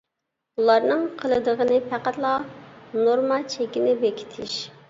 ئۇلارنىڭ قىلىدىغىنى پەقەتلا نورما چېكىنى بېكىتىش.